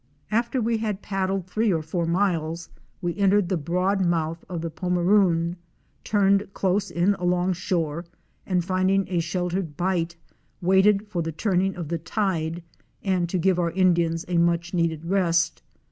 After we had paddled three or four miles, we entered the broad mouth of the Pomeroon, turned close in along shore and finding a sheltered bight, waited for the turning of the tide and to give our Indians a much needed rest.